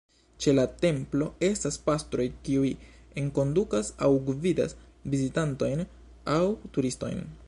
Ĉe la templo estas pastroj, kiuj enkondukas aŭ gvidas vizitantojn aŭ turistojn.